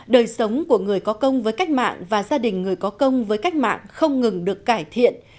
đời sống của người có công với cách mạng và gia đình người có công với cách mạng không ngừng được cải thiện